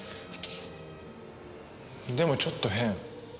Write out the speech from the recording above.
でもちょっと変。